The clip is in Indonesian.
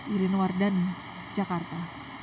irene wardani jakarta